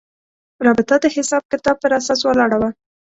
رابطه د حساب کتاب پر اساس ولاړه وه.